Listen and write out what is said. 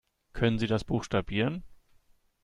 Können Sie das buchstabieren?